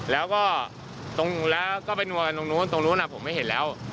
แล้วก็ไปหนัวกันตรงนู้นตรงนู้นผมไม่เห็นแล้ว